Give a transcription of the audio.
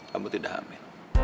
kamu tidak hamil